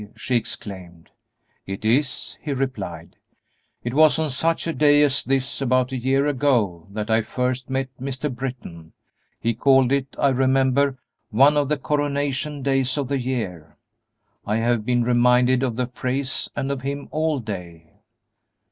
she exclaimed. "It is," he replied; "it was on such a day as this, about a year ago, that I first met Mr. Britton. He called it, I remember, one of the 'coronation days' of the year. I have been reminded of the phrase and of him all day."